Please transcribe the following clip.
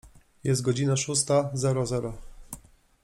Jest godzina szósta zero zero.